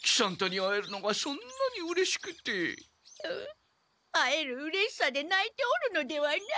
会えるうれしさでないておるのではない。